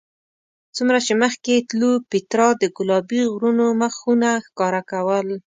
څومره چې مخکې تلو پیترا د ګلابي غرونو مخونه ښکاره کول.